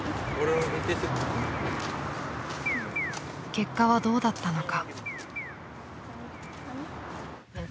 ［結果はどうだったのか］